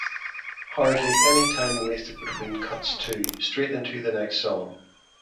Hardly any time wasted between cuts too, straight into the next song.